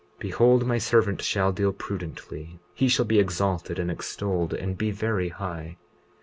20:43 Behold, my servant shall deal prudently; he shall be exalted and extolled and be very high.